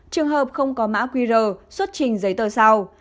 trường hợp không có mã qr xuất trình giấy tờ sau